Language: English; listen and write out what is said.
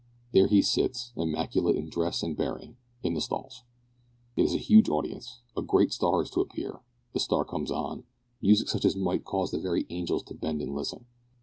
There he sits, immaculate in dress and bearing, in the stalls. It is a huge audience. A great star is to appear. The star comes on music such as might cause the very angels to bend and listen.